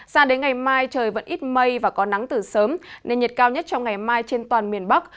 sao đến ngày mai trời vẫn ít mây và có nắng từ sớm nên nhiệt cao nhất trong ngày mai trên toàn miền bắc